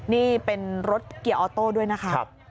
นี่เป็นรถเกียร์ออโต้ด้วยนะคะ